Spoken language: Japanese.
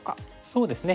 そうですね